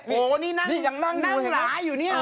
โอ้โหนี่ยังนั่งหลาอยู่นี่